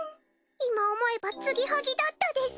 今思えばつぎはぎだったです。